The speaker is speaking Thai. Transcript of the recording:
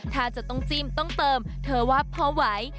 ถ้าจะต้องจิ้มต้องเติมเธอว่าพอไหว